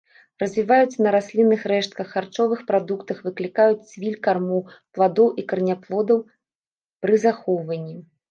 Развіваюцца на раслінных рэштках, харчовых прадуктах, выклікаюць цвіль кармоў, пладоў і караняплодаў пры захоўванні.